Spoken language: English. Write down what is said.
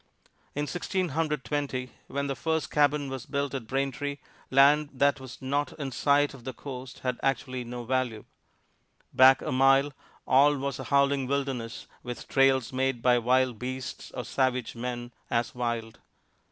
In Sixteen Hundred Twenty, when the first cabin was built at Braintree, land that was not in sight of the coast had actually no value. Back a mile, all was a howling wilderness, with trails made by wild beasts or savage men as wild.